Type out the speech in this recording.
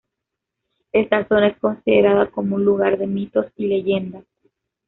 Esta zona es considerada como un lugar de "mitos y leyendas".